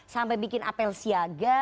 sampai bikin apel siaga